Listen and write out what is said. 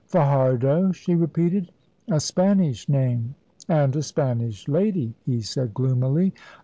"Fajardo," she repeated. "A Spanish name." "And a Spanish lady," he said, gloomily.